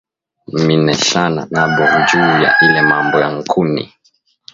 Mineshana nabo nju ya ile mambo ya nkuni